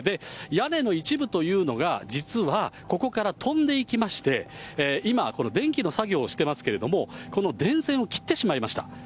屋根の一部というのが、実はここから飛んでいきまして、今、電気の作業をしていますけれども、この電線を切ってしまいました。